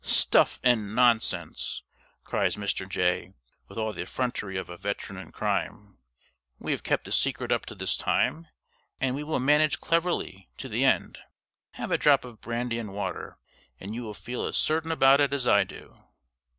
"Stuff and nonsense!" cries Mr. Jay, with all the effrontery of a veteran in crime. "We have kept the secret up to this time, and we will manage cleverly to the end. Have a drop of brandy and water, and you will feel as certain about it as I do."